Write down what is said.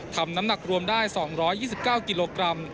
น้ำหนักรวมได้๒๒๙กิโลกรัม